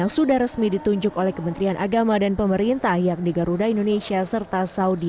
yang sudah resmi ditunjuk oleh kementerian agama dan pemerintah yakni garuda indonesia serta saudi